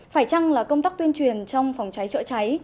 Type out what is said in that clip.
phải chăng là công tác tuyên truyền trong phòng cháy chữa cháy